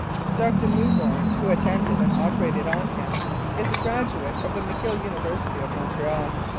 Dr. Mewburn, who attended and operated on him, is a graduate of the McGill University of Montreal.